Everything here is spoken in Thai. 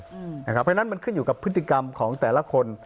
เพราะฉะนั้นมันขึ้นอยู่กับพฤติกรรมของแต่ละคน